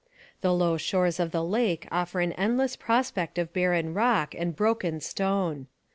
The low shores of the lake offer an endless prospect of barren rock and broken stone.